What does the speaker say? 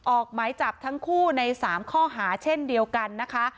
ออกหมายจับทั้งคู่ใน๓ข้อหาเช่นเดียวกันนะคะ